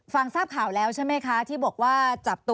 ค่ะก็มีพี่หลายคนแจ้งแล้วบอกว่างแล้วค่ะ